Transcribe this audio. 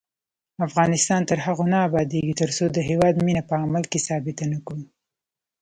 افغانستان تر هغو نه ابادیږي، ترڅو د هیواد مینه په عمل کې ثابته نکړو.